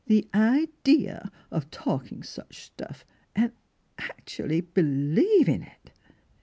The i de a of talkin' such stuff, an' actually believin' it."